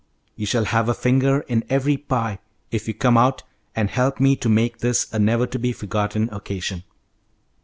You shall have a finger in every pie if you will come out and help me to make this a never to be forgotten occasion.